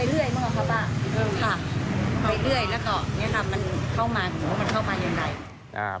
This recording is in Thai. เออค่ะเรื่อยแล้วก็มันเข้ามาหมูหูเข้าไปอย่างไร